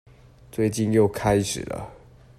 最近又開始了